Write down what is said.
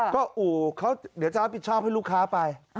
ก็อู่เขาเดี๋ยวจะรับผิดชอบให้ลูกค้าไป